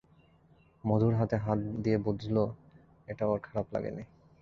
মধুর হাতে হাত দিয়ে বুঝল এটা ওর খারাপ লাগে নি।